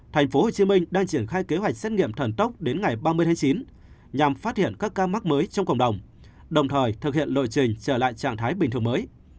thành phố hồ chí minh đang triển khai kế hoạch xét nghiệm thần tốc đến ngày ba mươi hai mươi chín nhằm phát hiện các ca mắc mới trong cộng đồng đồng thời thực hiện lội trình trở lại trạng thái bình thường mới